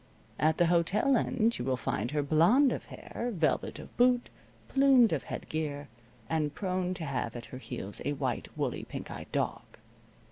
At the hotel end you will find her blonde of hair, velvet of boot, plumed of head gear, and prone to have at her heels a white, woolly, pink eyed dog.